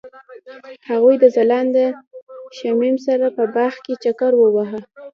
هغوی د ځلانده شمیم سره په باغ کې چکر وواهه.